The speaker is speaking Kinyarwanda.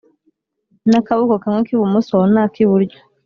n’akaboko kamwe k’ibumoso na kiburyo